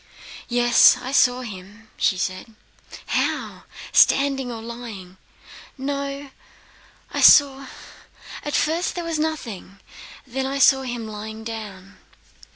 "Yes, I saw him," she said. "How? Standing or lying?" "No, I saw... At first there was nothing, then I saw him lying down."